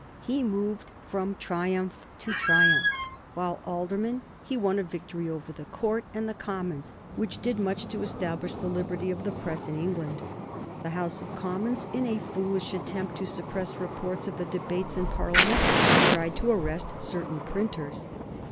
He moved from triumph to triumph. While alderman he won a victory over the Court and the Commons which did much to establish the liberty of the press in England. The House of Commons, in a foolish attempt to suppress reports of the debates in Parliament, tried to arrest certain printers.